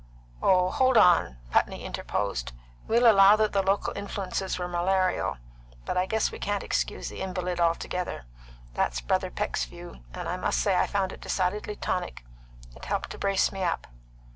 "Oh, hold on!" Putney interposed. "We'll allow that the local influences were malarial, but I guess we can't excuse the invalid altogether. That's Brother Peck's view; and I must say I found it decidedly tonic; it helped to brace me up."